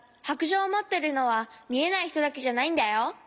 白杖をもってるのはみえないひとだけじゃないんだよ。